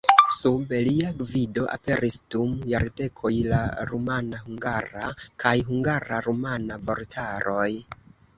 Sub lia gvido aperis dum jardekoj la rumana-hungara kaj hungara-rumana vortaroj.